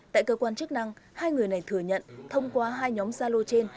tại cơ quan chức năng hai người này thừa nhận thông qua hai nhóm gia lô trên